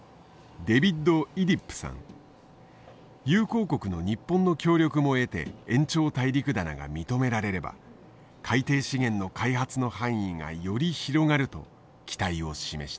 友好国の日本の協力も得て延長大陸棚が認められれば海底資源の開発の範囲がより広がると期待を示した。